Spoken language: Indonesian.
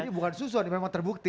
jadi bukan susun memang terbukti